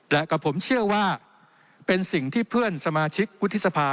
และกับผมเชื่อว่าเป็นสิ่งที่เพื่อนสมาชิกวุฒิสภา